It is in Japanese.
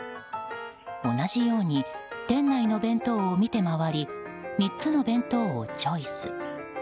同じように店内の弁当を見て回り３つの弁当をチョイス。